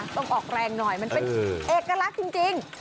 ต้องออกแรงหน่อยมันเป็นเอกลักษณ์จริง